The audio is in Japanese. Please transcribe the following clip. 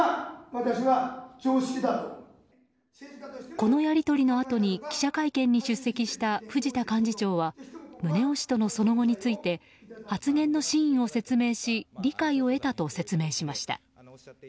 このやりとりのあとに記者会見に出席した藤田幹事長は宗男氏とのその後について発言の真意を説明し理解を得たと説明しました。